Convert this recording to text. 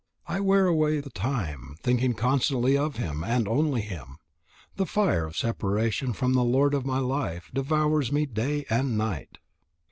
I wear away the time, thinking constantly of him and only him. The fire of separation from the lord of my life devours me day and night."